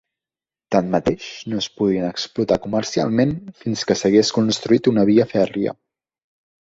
Tanmateix, no es podien explotar comercialment fins que s'hagués construït una via fèrria.